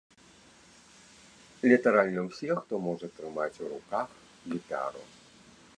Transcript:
Літаральна ўсе, хто можа трымаць у руках гітару.